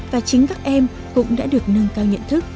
và chính các em cũng đã được nâng cao nhận thức